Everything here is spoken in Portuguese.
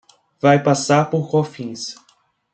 Vai passar por Cofins